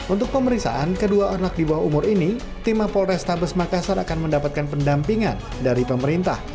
untuk pemeriksaan kedua anak di bawah umur ini tim mapol restabes makassar akan mendapatkan pendampingan dari pemerintah